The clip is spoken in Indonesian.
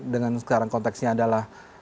dengan sekarang konteksnya adalah